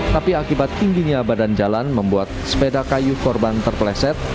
tapi akibat tingginya badan jalan membuat sepeda kayu korban terpleset